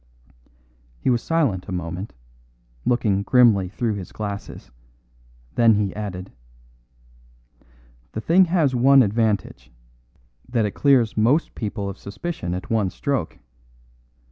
He was silent a moment, looking grimly through his glasses; then he added: "The thing has one advantage that it clears most people of suspicion at one stroke.